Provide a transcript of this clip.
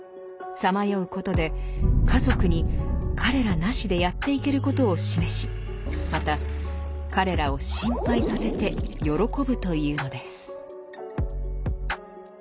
さまようことで家族に彼らなしでやっていけることを示しまた彼らを心配させて喜ぶというのです。